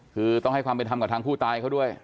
คือต้องให้ความเป็นธรรมกับทางผู้ตายเขาด้วย